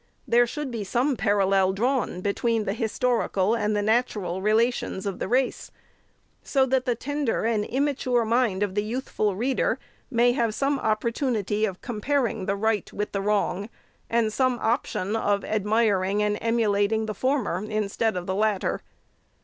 There should be some parallel drawn between the historical and the natural relations of the race, so that the tender and immature mind of the youthful reader may have some opportunity of com paring the right with the wrong, and some option of admiring and emulat ing the former, instead of the latter.